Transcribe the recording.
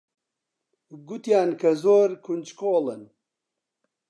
گوتیان کە زۆر کونجکۆڵن.